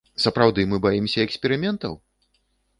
Сапраўды мы баімся эксперыментаў?